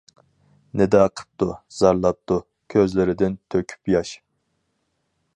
نىدا قىپتۇ، زارلاپتۇ، كۆزلىرىدىن تۆكۈپ ياش.